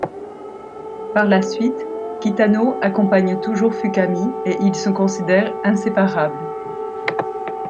Par la suite, Kitano accompagne toujours Fukami et ils se considèrent inséparables.